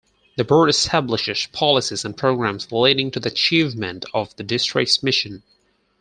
The Board establishes policies and programs leading to the achievement of the District's mission.